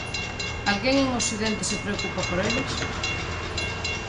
Alguén en occidente se preocupa por eles?